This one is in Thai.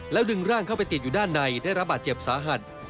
ดึงร่างเข้าไปติดอยู่ด้านในได้รับบาดเจ็บสาหัส